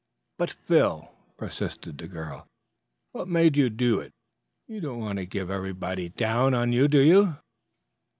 "But, Phil," persisted the girl, "what made you do it? You don't want to get everybody down on you, do you?"